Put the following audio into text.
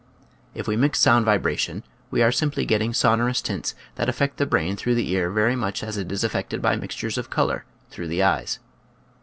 If we mix sound vibration we are simply getting sonorous tints that affect the brain through the ear very much as it is affected by mixtures of color through the eyes.